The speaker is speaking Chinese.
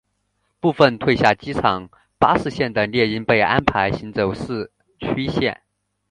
部份退下机场巴士线的猎鹰被安排行走市区线。